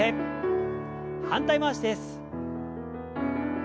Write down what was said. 反対回しです。